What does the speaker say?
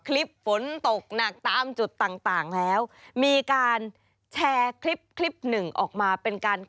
คลิปฝนตกหนักตามจุดต่างต่างแล้วมีการแชร์คลิปคลิปหนึ่งออกมาเป็นการ